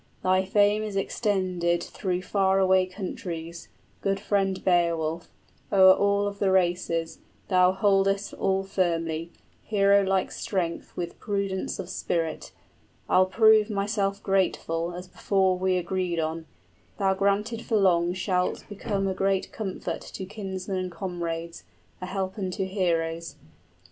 Thy fame is extended through far away countries, Good friend Beowulf, o'er all of the races, 55 Thou holdest all firmly, hero like strength with Prudence of spirit. I'll prove myself grateful As before we agreed on; thou granted for long shalt Become a great comfort to kinsmen and comrades, {Heremod's career is again contrasted with Beowulf's.} A help unto heroes.